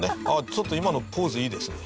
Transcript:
ちょっと今のポーズいいですね。